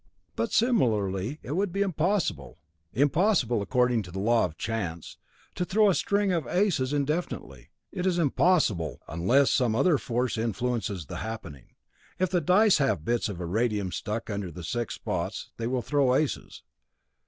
"But similarly it would be improbable impossible according to the law of chance to throw a string of aces indefinitely. It is impossible unless some other force influences the happening. If the dice have bits of iridium stuck under the six spots, they will throw aces.